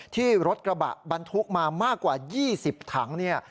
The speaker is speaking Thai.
ที่รถกระบะบรรทุกมามากกว่า๒๐ถังเนี่ย